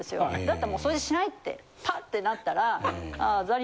だったらもう掃除しないってパッてなったらあ。